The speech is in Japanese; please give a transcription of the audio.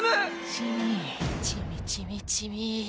チミチミチミチミ。